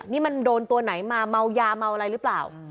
นี่มันโดนตัวไหนมาเมายาเมาอะไรหรือเปล่า